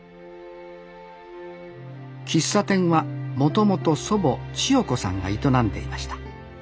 喫茶店はもともと祖母千代子さんが営んでいました。